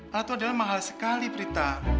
alat itu adalah mahal sekali prita